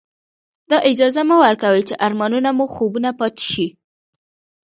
دا اجازه مه ورکوئ چې ارمانونه مو خوبونه پاتې شي.